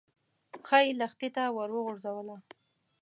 پښه يې لښتي ته ور وغځوله.